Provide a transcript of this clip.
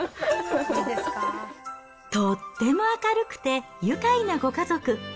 とっても明るくて愉快なご家族。